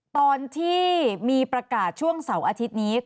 ตอนที่มีประกาศช่วงเสาร์อาทิตย์นี้